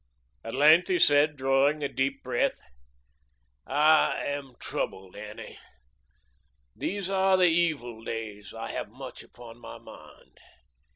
At length, he said, drawing a deep breath: "I am troubled, Annie. These are the evil days. I have much upon my mind."